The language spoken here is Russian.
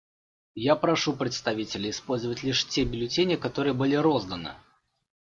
Я прошу представителей использовать лишь те бюллетени, которые были розданы.